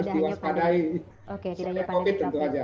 oke tidak hanya pandemi covid sembilan belas